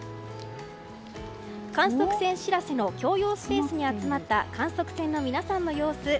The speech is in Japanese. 観測船「しらせ」の共用スペースに集まった観測船の皆さんの様子。